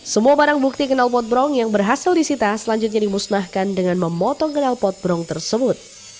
semua barang bukti kenal potbrong yang berhasil disita selanjutnya dimusnahkan dengan memotong kenal potbrong tersebut